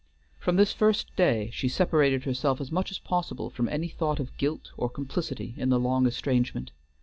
From this first day she separated herself as much as possible from any thought of guilt or complicity in the long estrangement.